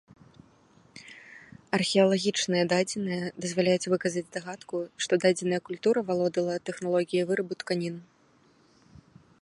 Археалагічныя дадзеныя дазваляюць выказаць здагадку, што дадзеная культура валодала тэхналогіяй вырабу тканін.